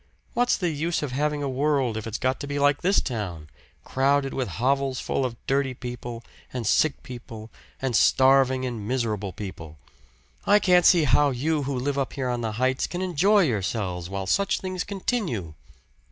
What's the use of having a world if it's got to be like this town crowded with hovels full of dirty people, and sick people, and starving and miserable people? I can't see how you who live up here on the heights can enjoy yourselves while such things continue."